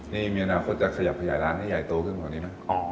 นี่มีอนาคตจะขยับขยายร้านให้ใหญ่โตขึ้นกว่านี้ไหม